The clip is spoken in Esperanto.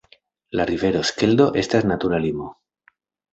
La rivero Skeldo estas natura limo.